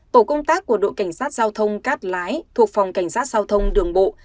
tổ công tác của đội cảnh sát giao thông cát lái thuộc phòng cảnh sát giao thông đường bộ